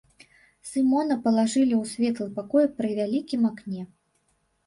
Сымона палажылі ў светлы пакой пры вялікім акне.